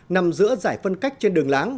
nằm giữa giải phân cách trên đường láng